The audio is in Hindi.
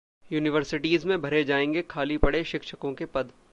यूनिवर्सिटीज में भरे जाएंगे खाली पड़े शिक्षकों के पद